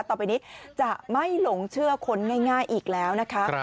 ต่อไปนี้จะไม่หลงเชื่อคนง่ายอีกแล้วนะคะ